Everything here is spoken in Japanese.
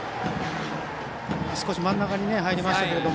少し真ん中に入りましたが。